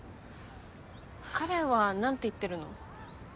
彼は何て言ってるの？